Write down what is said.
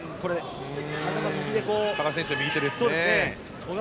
羽賀選手の右手ですね。